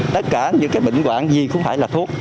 tất cả những cái bệnh quạng gì không phải là thuốc